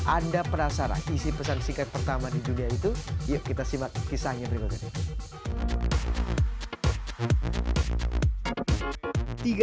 anda penasaran isi pesan singkat pertama di dunia itu yuk kita simak kisahnya berikut ini